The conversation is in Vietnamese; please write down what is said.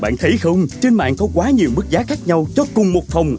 bạn thấy không trên mạng có quá nhiều mức giá khác nhau cho cùng một phòng